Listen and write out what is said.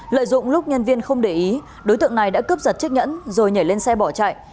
lợi dụng lúc nhân viên không để ý đối tượng này đã cướp giật chiếc nhẫn rồi nhảy lên xe bỏ chạy